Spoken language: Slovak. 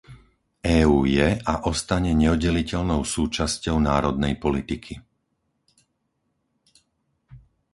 EÚ je a ostane neoddeliteľnou súčasťou národnej politiky.